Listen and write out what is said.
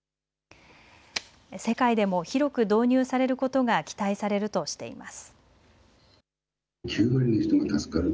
世界でも広く導入されることが期待されるとしています。